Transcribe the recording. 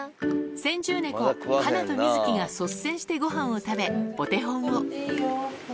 先住猫、ハナとミズキが率先してごはんを食べ、お手本を。